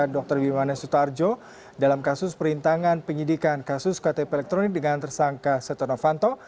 dr bimanes sutarjo dalam kasus perintangan penyidikan kasus ktp elektronik dengan tersangka setonofanto